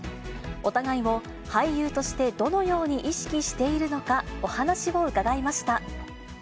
お互いを俳優として、どのように意識しているのかお話を伺いました。